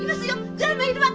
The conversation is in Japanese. グランマいるわ！